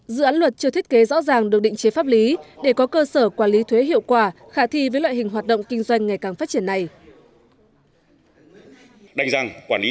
dự án luật chưa thiết kế rõ ràng được định chế pháp lý để có cơ sở quản lý thuế hiệu quả khả thi với loại hình hoạt động kinh doanh ngày càng phát triển này